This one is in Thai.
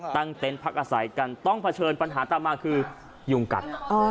เต็นต์พักอาศัยกันต้องเผชิญปัญหาตามมาคือยุงกัด